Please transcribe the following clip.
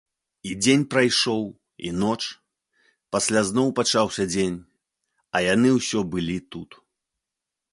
І дзень прайшоў, і ноч, пасля зноў пачаўся дзень, а яны ўсё былі тут.